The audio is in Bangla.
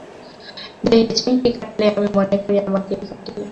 দেহে চিমটি কাটিলে আমি মনে করি, আমাকেই কাটিলে।